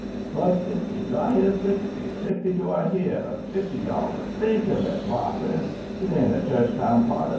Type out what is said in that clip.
'Twas, "Fifty! Do I hear sixty? Sixty do I hear? Fifty dollars! THINK of it? Why, friends, this ain't a church pound party.